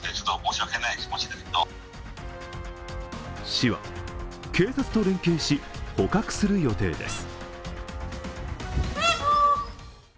市は警察と連携し捕獲する予定です。